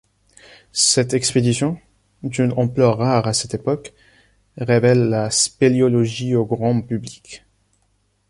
Cette expédition, d'une ampleur rare à cette époque, révèle la spéléologie au grand public.